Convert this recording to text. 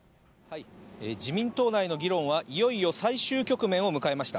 自民党内の議論はいよいよ最終局面を迎えました。